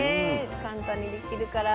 簡単にできるから。